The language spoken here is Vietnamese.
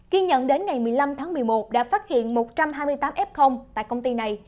khi nhận đến ngày một mươi năm tháng một mươi một đã phát hiện một trăm hai mươi tám f tại công ty này